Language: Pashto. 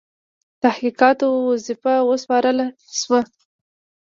تحقیقاتو وظیفه وسپارله شوه.